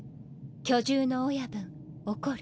巨獣の親分怒る。